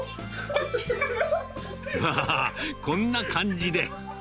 まあ、こんな感じで。